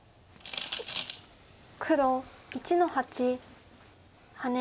黒１の八ハネ。